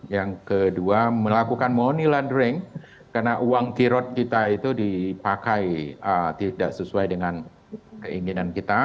yang kedua melakukan money laundering karena uang kirot kita itu dipakai tidak sesuai dengan keinginan kita